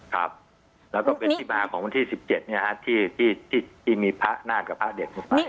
ครับแล้วก็เป็นที่มาของวันที่๑๗ที่มีพระนาฏกับพระเด็ดลงไป